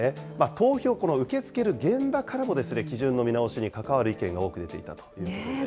投票、受け付ける現場からも、基準の見直しに関わる意見が多く出ていたということです。